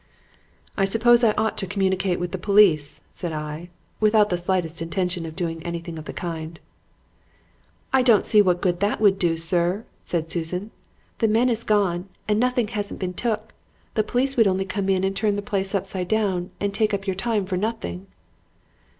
"'I suppose I ought to communicate with the police,' said I (without the slightest intention of doing anything of the kind). "'I don't see what good that would do, sir,' said Susan. 'The men is gone and nothing hasn't been took. The police would only come in and turn the place upside down and take up your time for nothing.'